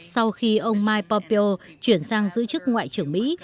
sau khi ông mike pompeo chuyển sang giữ chức ngoại trưởng mỹ